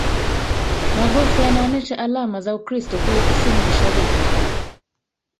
maghofu yanaonyesha alama za Ukristo kule KusiniMashariki kwa